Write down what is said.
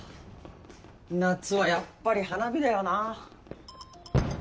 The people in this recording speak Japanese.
夏はやっぱり花火だよなぁ。